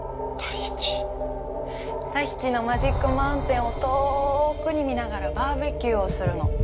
タヒチのマジックマウンテンを遠くに見ながらバーベキューをするの。